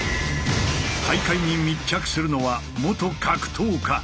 大会に密着するのは元格闘家。